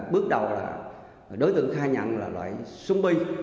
bước đầu là đối tượng khai nhận là loại súng bi